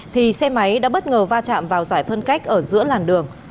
thì xe máy đã bất ngờ va chạm vào giải phân cách ở giữa làn đường